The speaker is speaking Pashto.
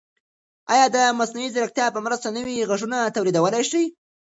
ایا د مصنوعي ځیرکتیا په مرسته نوي غږونه تولیدولای شئ؟